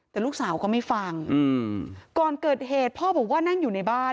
แต่ลูกสาวก็ไม่ฟังก่อนเกิดเหตุพ่อบอกว่านั่งอยู่ในบ้าน